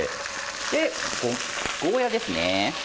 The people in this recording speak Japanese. でゴーヤーですね。